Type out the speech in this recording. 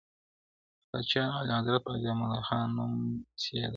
• پاچا اعلیحضرت غازي امان الله خان نوم نه سي یادولای -